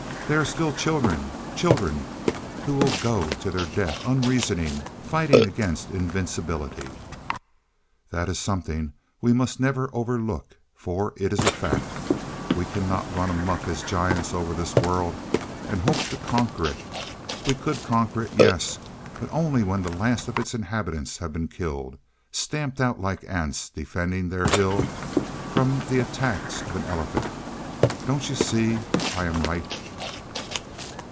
They are still children children who will go to their death unreasoning, fighting against invincibility. "That is something we must never overlook, for it is a fact. We cannot run amuck as giants over this world and hope to conquer it. We could conquer it, yes; but only when the last of its inhabitants had been killed; stamped out like ants defending their hill from the attacks of an elephant. Don't you see I am right?"